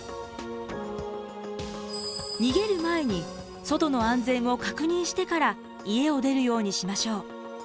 逃げる前に外の安全を確認してから家を出るようにしましょう。